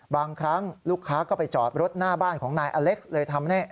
บางครั้งลูกค้าก็ไปจอดรถหน้าบ้านของนายอเล็กซ์เลย